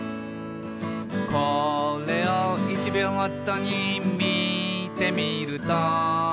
「これを１秒ごとにみてみると」